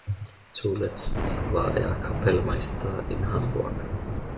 Zuletzt war er Kapellmeister in Hamburg.